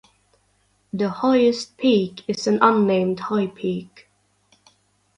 The highest peak is an unnamed high peak.